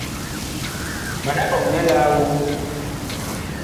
Mana ɓɔŋ nɛ laa woŋ ?